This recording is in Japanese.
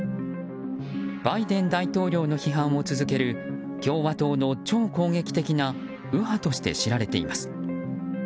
バイデン大統領の批判を続ける共和党の超攻撃的な右派として知られています。